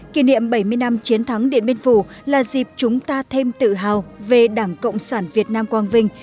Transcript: kỷ niệm bảy mươi năm chiến thắng điện biên phủ là dịp chúng ta thêm tự hào về đảng cộng sản việt nam quang vinh